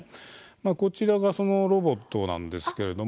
こちらがそのロボットなんですけれども。